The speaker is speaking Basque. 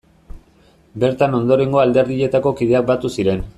Bertan ondorengo alderdietako kideak batu ziren.